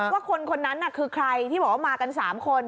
ว่าคนคนนั้นคือใครที่บอกว่ามากัน๓คน